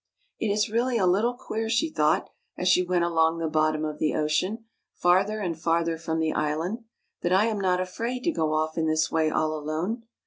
"It is really a little queer," she thought, as she went along the bottom of the ocean, farther and farther from the island, " that I am not afraid to go off in this way all alone.